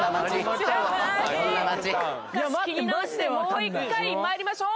仕切り直してもう一回参りましょう。